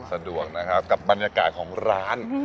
สะดวกนะครับกับบรรยากาศของร้าน